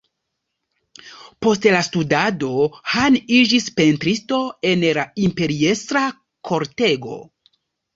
Post la studado, Han iĝis pentristo en la imperiestra kortego.